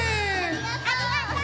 ありがとう！